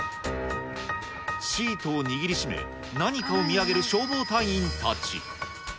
シートを握りしめ、何かを見上げる消防隊員たち。